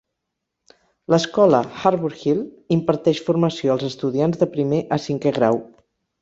L'escola Harbor Hill imparteix formació als estudiants de primer a cinquè grau.